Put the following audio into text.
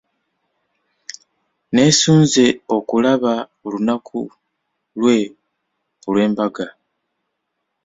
Nneesunze okulaba olunaku lwe olw'embaga.